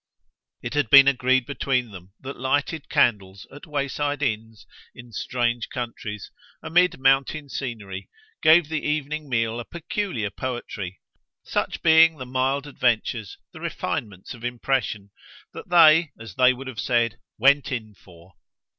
It had been agreed between them that lighted candles at wayside inns, in strange countries, amid mountain scenery, gave the evening meal a peculiar poetry such being the mild adventures, the refinements of impression, that they, as they would have said, went in for.